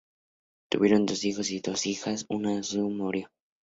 Tuvieron dos hijos y dos hijas, una de sus hijas murió joven.